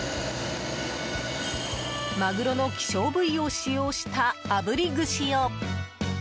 マグロの希少部位を使用したあぶり串を。